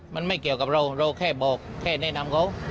มันไม่เกี่ยวกับเราเราแค่บอกแค่แนะนำเขา